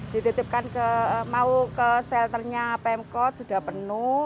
dititipkan ke mau ke shelternya pemkot sudah penuh